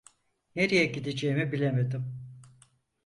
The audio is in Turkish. Nereye gideceğimi bilemedim.